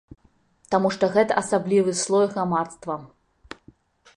Таму што гэта асаблівы слой грамадства.